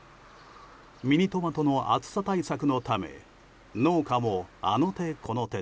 ミニトマトの暑さ対策のため農家もあの手